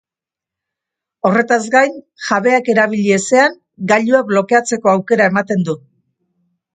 Horretaz gain, jabeak erabili ezean, gailua blokeatzeko aukera ematen du.